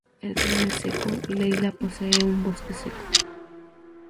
El clima es seco y la isla posee un bosque seco.